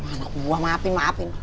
anak buah maafin maafin